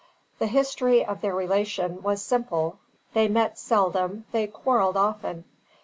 The history of their relation was simple; they met seldom, they quarrelled often.